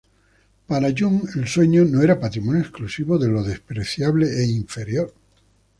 Para Jung el sueño no era patrimonio exclusivo de lo despreciable e inferior.